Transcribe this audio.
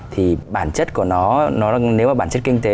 thì bản chất của nó nếu mà bản chất kinh tế